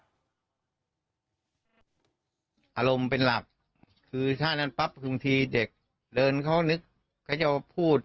ตาแดงพูดง่ายก็ดื่มกับลูกกันอยู่